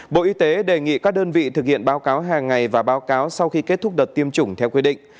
bộ y tế đề nghị các đơn vị thực hiện báo cáo hàng ngày và báo cáo sau khi kết thúc đợt tiêm chủng theo quy định